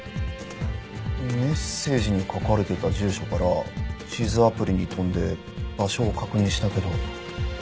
メッセージに書かれてた住所から地図アプリに飛んで場所を確認したけど。